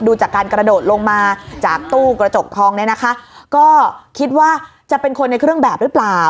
ดูจากการกระโดดลงมาจากตู้กระจกทองเนี่ยนะคะก็คิดว่าจะเป็นคนในเครื่องแบบหรือเปล่า